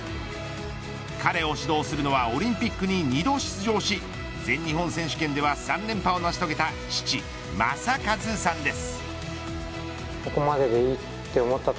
彼を指導するのはオリンピックに２度出場し全日本選手権では３連覇を成し遂げた父、正和さんです。